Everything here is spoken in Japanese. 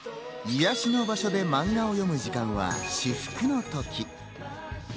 癒やしの場所でマンガを読む時間は至福の時。